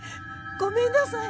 ごめんなさい。